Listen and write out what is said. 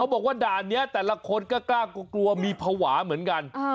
บอกว่าด่านนี้แต่ละคนก็กล้ากลัวมีภาวะเหมือนกัน